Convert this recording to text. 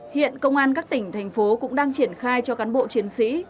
hiện công an các tỉnh thành phố cũng đang triển khai cho cán bộ chiến sĩ